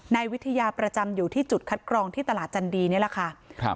นายวิทยาประจำอยู่ที่จุดคัดกรองที่ตลาดจันดีนี่แหละค่ะครับ